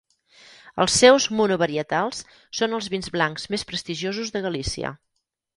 Els seus monovarietals són els vins blancs més prestigiosos de Galícia.